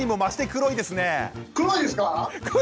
黒いですね。